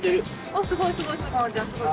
おすごいすごいすごい。